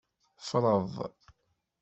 Freḍ.